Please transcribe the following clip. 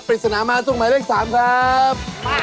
ปริศนามาตรงหมายเลข๓ครับ